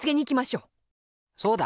そうだ！